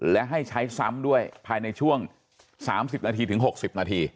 และให้ใช้ซ้ำด้วยภายในช่วง๓๐นาทีถึง๖๐นาที